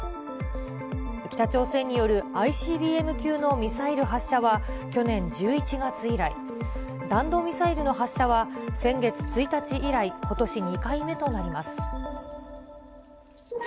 北朝鮮によるＩＣＢＭ級のミサイル発射は、去年１１月以来、弾道ミサイルの発射は先月１日以来、ことし２回目となります。